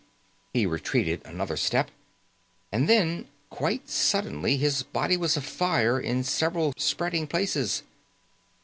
He retreated another step and then, quite suddenly, his body was afire in several spreading places.